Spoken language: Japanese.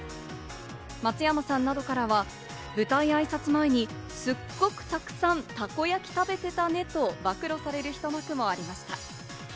松山さんなどからは、舞台挨拶前にすっごくたくさん、たこ焼き食べてたね！と暴露される一幕もありました。